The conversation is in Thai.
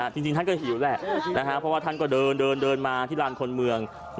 จริงท่านก็หิวแหละเพราะว่าท่านก็เดินมาที่ลานคนเมือง